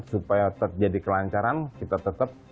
supaya terjadi kelancaran kita tetap